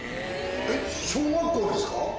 えっ小学校ですか？